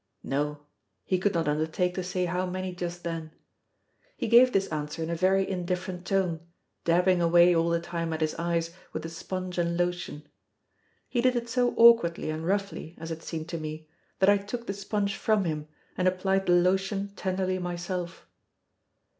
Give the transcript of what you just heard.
No: he could not undertake to say how many just then. He gave this answer in a very indifferent tone, dabbing away all the time at his eyes with the sponge and lotion. He did it so awkwardly and roughly, as it seemed to me, that I took the sponge from him and applied the lotion tenderly myself.